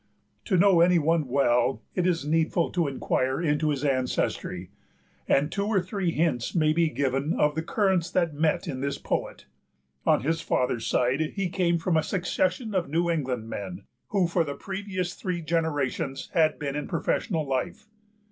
To know any one well it is needful to inquire into his ancestry, and two or three hints may be given of the currents that met in this poet. On his father's side he came from a succession of New England men who for the previous three generations had been in professional life.